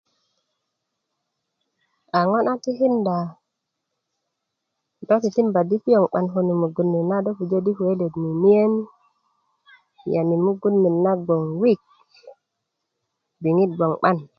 a ŋo na tikinda do titimba di piyoŋ 'ban konuk mugun ni na do pujö di kuwe let lo mimiin yani mugun net na gboŋ wik riŋit gboŋ 'ban